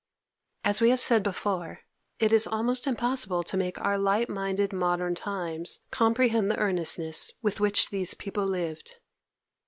As we have said before, it is almost impossible to make our light minded modern times comprehend the earnestness with which these people lived.